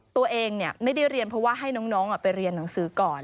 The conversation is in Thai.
ตัวเองไม่ได้เรียนเพราะว่าให้น้องไปเรียนหนังสือก่อน